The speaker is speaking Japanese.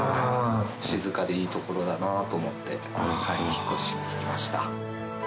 静かでいい所だなと思って引っ越して来ました。